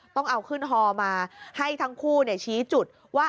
ต้องเอาขึ้นฮอมาให้ทั้งคู่ชี้จุดว่า